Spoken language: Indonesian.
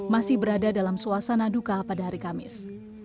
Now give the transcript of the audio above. masih berada dalam suasana duka pada hari kamis